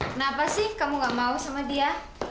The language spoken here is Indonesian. kenapa sih kamu gak mau sama dia